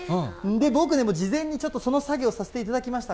僕でも事前にちょっとその作業させていただきました。